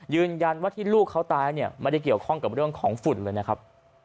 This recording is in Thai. ยืนยันว่าที่ลูกเขาตายเนี่ยไม่ได้เกี่ยวข้องกับเรื่องของฝุ่นเลยนะครับ